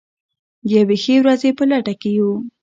د یوې ښې ورځې په لټه کې یو.